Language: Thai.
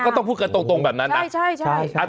ต้องพูดกันตรงแบบนั้นนะ